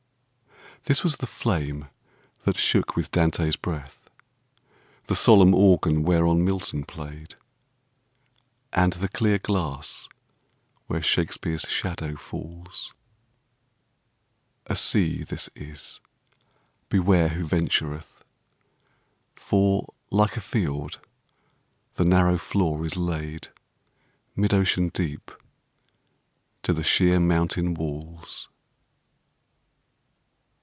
This was the flame that shook with Dante's breath ; The solenm organ whereon Milton played, And the clear glass where Shakespeare's shadow falls : A sea this is — beware who ventureth I For like a fjord the narrow floor b laid Mid ocean deep to the sheer mountain walls.